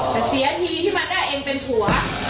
แต่เสียทีที่มาได้เองเป็นผัว